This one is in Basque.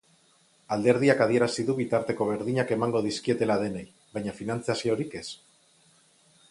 Alderdiak adierazi du bitarteko berdinak emango dizkietela denei, baina finantzaziorik ez.